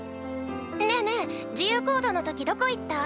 ねえねえ自由行動の時どこ行った？